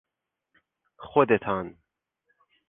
خودتان